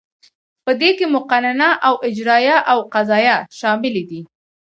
په دې کې مقننه او اجراییه او قضاییه شاملې دي.